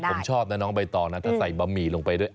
ผมชอบนะน้องใบตองนะถ้าใส่บะหมี่ลงไปด้วย